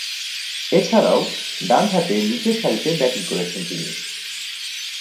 এছাড়াও, ডানহাতে নিচেরসারিতে ব্যাটিং করছেন তিনি।